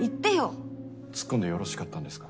ニャツッコんでよろしかったんですか？